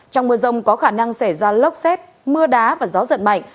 trong mưa rông có khả năng xảy ra lốc xét mưa đá và gió giật mạnh